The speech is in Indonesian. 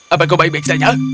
apa kau baik baik saja